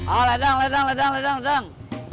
oh ledang ledang ledang ledang ledang